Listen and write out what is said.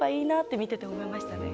見てて思いましたね。